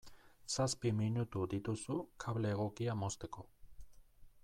Zazpi minutu dituzu kable egokia mozteko.